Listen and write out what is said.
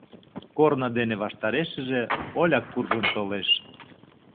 Корно дене ваштарешыже Оля куржын толеш.